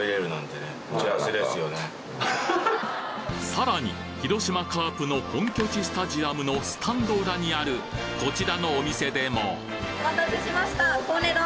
さらに広島カープの本拠地スタジアムのスタンド裏にあるこちらのお店でもお待たせしました！